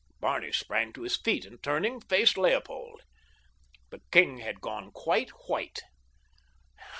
Barney sprang to his feet and, turning, faced Leopold. The king had gone quite white.